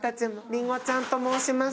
りんごちゃんと申します。